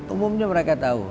umumnya mereka tahu